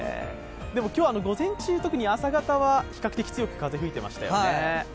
でも今日午前中、特に朝方は比較的強く風が吹いていましたね。